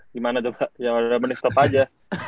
gimana tuh yaudah bener stop aja